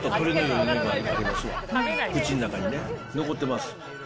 口の中にね、残ってます。